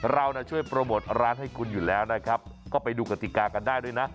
เราช่วยโปรโมทร้านให้คุณอยู่แล้วนะครับก็ไปดูกติกากันได้ด้วยนะ